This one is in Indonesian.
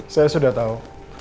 saya sudah tahu